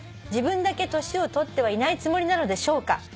「自分だけ年を取ってはいないつもりなのでしょうか」